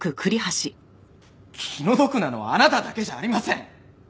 気の毒なのはあなただけじゃありません。